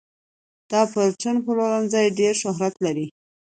دا پرچون پلورنځی ډېر شهرت لري.